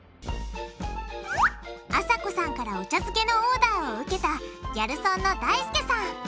あさこさんからお茶漬けのオーダーを受けたギャルソンのだいすけさん。